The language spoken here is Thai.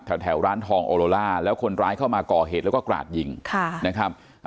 แถวร้านทองโอโลล่าแล้วคนร้ายเข้ามาก่อเหตุแล้วก็กราดยิงนะครับ